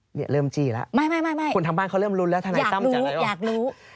เนี่ยเริ่มจี้แล้วไม่ไม่คนทางบ้านเขาเริ่มรุ้นแล้วทนายตั้มรู้อยากรู้